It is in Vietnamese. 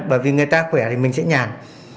bởi vì người ta khỏe thì mình sẽ nhàn